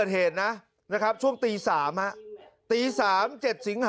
เมื่อละเอ่ยไอ้แม่หน่อย